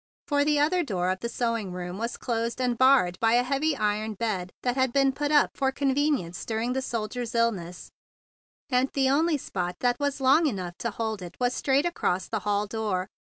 For the other door of the sewing room was closed and barred by a heavy iron bed that had been put up for con¬ venience during the soldier's illness, and the only spot that was long enough to hold it was straight across the hall door.